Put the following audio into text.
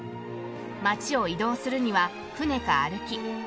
街を移動するには船か歩き。